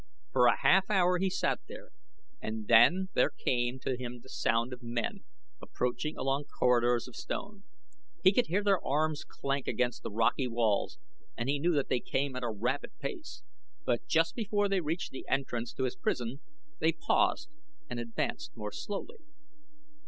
For a half hour he sat there, and then there came to him the sound of men approaching along corridors of stone. He could hear their arms clank against the rocky walls and he knew that they came at a rapid pace; but just before they reached the entrance to his prison they paused and advanced more slowly.